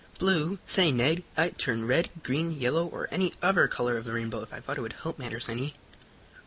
"Blue! Say, Ned, I'd turn red, green, yellow, or any other color of the rainbow, if I thought it would help matters any."